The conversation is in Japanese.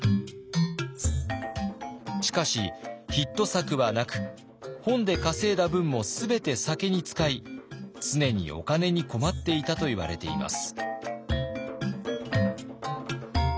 しかしヒット作はなく本で稼いだ分も全て酒に使い常にお金に困っていたといわれています。